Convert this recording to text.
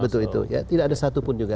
tidak ada satupun juga